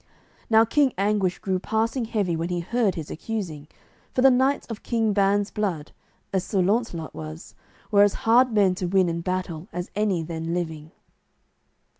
Now King Anguish grew passing heavy when he heard his accusing, for the knights of King Ban's blood, as Sir Launcelot was, were as hard men to win in battle as any then living.